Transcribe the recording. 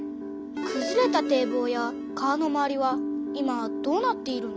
くずれた堤防や川の周りは今どうなっているの？